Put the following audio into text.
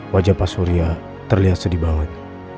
wajah pak surya terlihat sedih banget